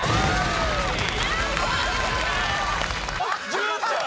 潤ちゃん！